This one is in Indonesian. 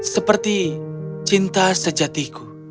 seperti cinta sejatiku